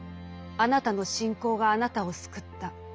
「あなたの信仰があなたを救った。